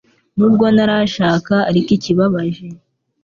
nubwo ntarashaka ariko ikibabaje